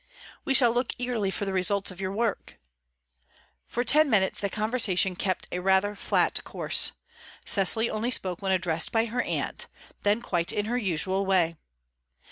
"We shall look eagerly for the results of your work." For ten minutes the conversation kept a rather flat course. Cecily only spoke when addressed by her aunt; then quite in her usual way.